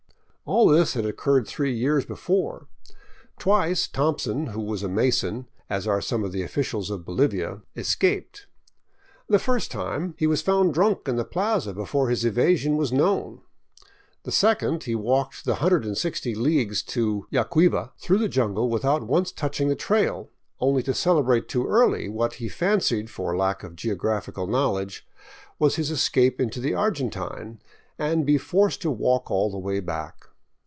All this had occurred three years before. Twice " Thompson," who was a Mason, as are some of the officials of Bolivia, *' escaped." The first time he was found drunk in the plaza before his evasion was known; the second, he walked the i6o leagues to Yacuiva through the jungle without once touching the trail, only to celebrate too early what he fancied, for lack of geographical knowledge, was his escape into the Argentine, and be forced to walk all the way back.